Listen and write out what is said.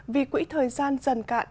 vì quỹ thời gian dần cạn